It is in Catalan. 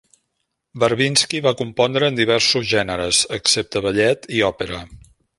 Barvinsky va compondre en diversos gèneres, excepte ballet i òpera.